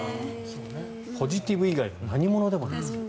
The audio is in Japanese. ポジティブ以外の何物でもない。